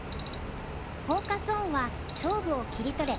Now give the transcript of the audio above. フォーカス・オンは「勝負を切り撮れ！